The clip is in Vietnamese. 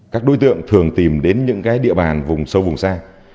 các đối tượng thường tìm đến những địa bàn vùng sâu vùng xa